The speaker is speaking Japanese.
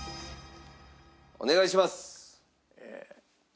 お願いします！